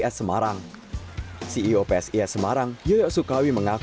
ceo psis semarang yoyo sukawi mengaku penghentian kompetisi berdampak kurang banyak